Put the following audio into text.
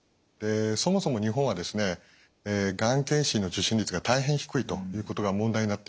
そもそも日本はですねがん検診の受診率が大変低いということが問題になっています。